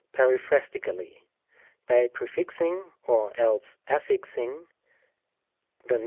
periphrastically, by prefixing, or else affixing, the N.